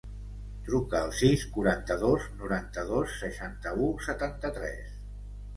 Truca al sis, quaranta-dos, noranta-dos, seixanta-u, setanta-tres.